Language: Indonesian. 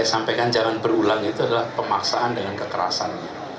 saya sampaikan jangan berulang itu adalah pemaksaan dengan kekerasan